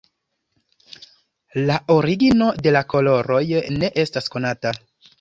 La origino de la koloroj ne estas konata.